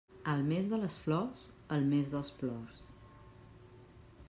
El mes de les flors, el mes dels plors.